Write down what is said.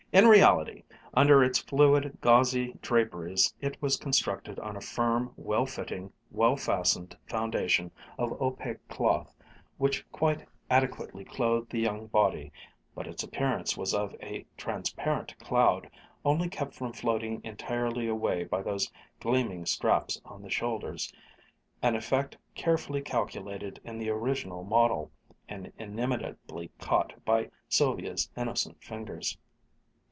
In reality, under its fluid, gauzy draperies, it was constructed on a firm, well fitting, well fastened foundation of opaque cloth which quite adequately clothed the young body, but its appearance was of a transparent cloud, only kept from floating entirely away by those gleaming straps on the shoulders, an effect carefully calculated in the original model, and inimitably caught by Sylvia's innocent fingers.